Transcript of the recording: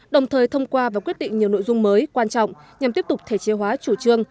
đồng thời thông qua và quyết định nhiều nội dung mới quan trọng nhằm tiếp tục thể chế hóa chủ trương